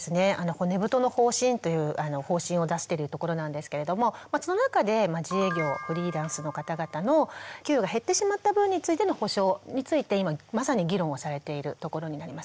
骨太の方針という方針を出してるところなんですけれどもその中で自営業フリーランスの方々の給料が減ってしまった分についての補償について今まさに議論をされているところになります。